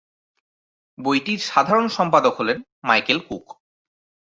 বইটির সাধারণ সম্পাদক হলেন মাইকেল কুক।